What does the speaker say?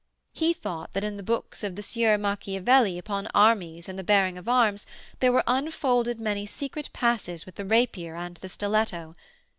He thought that in the books of the Sieur Macchiavelli upon armies and the bearing of arms there were unfolded many secret passes with the rapier and the stiletto.